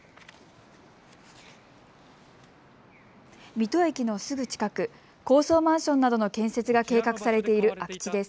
水戸駅のすぐ近く、高層マンションなどの建設が計画されている空き地です。